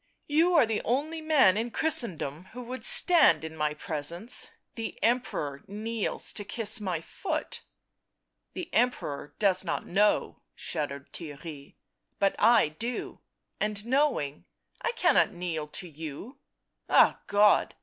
You are the only man in Christendom who would stand in my presence; the Emperor kneels to kiss my foot." " The Emperor does not know," shuddered Theirry, " but I do — and knowing, I cannot kneel to you. ... Ah God